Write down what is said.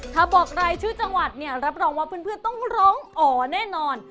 ถ้าบอกรายชื่อจังหวัดเนี่ยรับรองว่าเพื่อนต้องร้องอ๋อแน่นอน